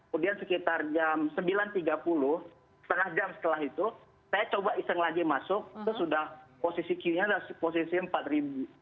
kemudian sekitar jam sembilan tiga puluh setengah jam setelah itu saya coba iseng lagi masuk itu sudah posisi q nya sudah posisi empat ribu